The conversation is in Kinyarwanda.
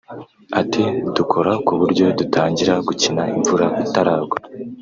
Ati “Dukora ku buryo dutangira gukina imvura itaragwa